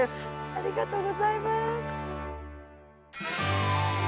ありがとうございます。